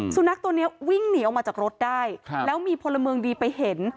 สุนัขตัวนี้วิ่งหนีออกมาจากรถได้แล้วมีพลเมืองดีไปเห็น